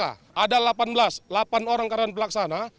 ada delapan belas delapan orang karyawan pelaksana